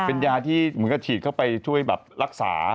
เป็นยาที่เหมือนกับฉีดเข้าไปช่วยแบบรักษา